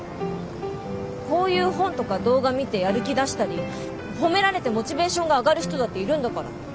こういう本とか動画見てやる気出したり褒められてモチベーションが上がる人だっているんだから。